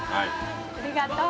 ありがとう。